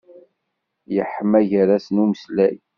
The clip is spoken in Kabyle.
Yeḥma gar-asen umeslay.